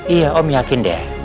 iya om yakin deh